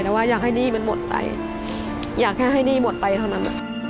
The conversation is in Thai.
แต่ว่าอยากให้หนี้มันหมดไปอยากแค่ให้หนี้หมดไปเท่านั้น